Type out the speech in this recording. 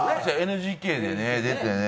ＮＧＫでね出てね。